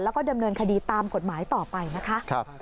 แล้วก็ดำเนินคดีตามกฎหมายต่อไปนะคะ